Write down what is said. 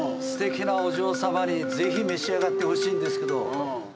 すてきなお嬢様に、ぜひ召し上がってほしいんですけど。